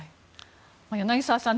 柳澤さん